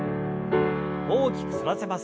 大きく反らせます。